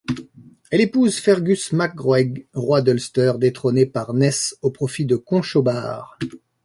Elle épouse Fergus Mac Roeg, roi d'Ulster détrôné par Ness au profit de Conchobar.